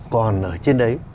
còn ở trên đấy